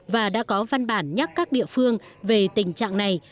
và đã có văn bản nhắc các địa phương về tình trạng này